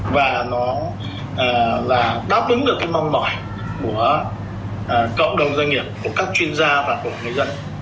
và nó là đáp ứng được cái mong mỏi của cộng đồng doanh nghiệp của các chuyên gia và của người dân